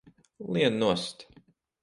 Lien nost!